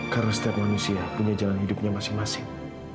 karena setiap manusia punya jalan hidupnya masing masing